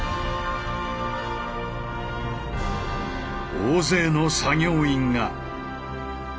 大勢の作業員が。